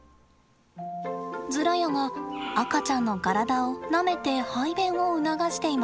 ズラヤが赤ちゃんの体をなめて排便を促しています。